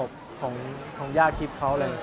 โฟกัสผิดจุดอีกแล้ว